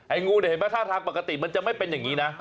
ไอ้งูแดงไทยภาคปกติมันจะไม่เป็นอย่างนี้นะ